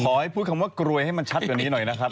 ให้พูดคำว่ากรวยให้มันชัดกว่านี้หน่อยนะครับ